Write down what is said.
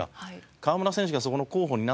河村選手がそこの候補になった。